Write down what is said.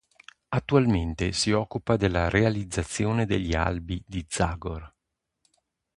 Attualmente si occupa della realizzazione degli albi di Zagor.